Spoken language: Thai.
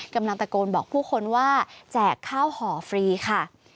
กำลังตะโกนบอกผู้คนว่าแจกข้าวห่อฟรีค่ะ